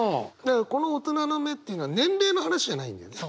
この「大人の目」っていうのは年齢の話じゃないんだよね？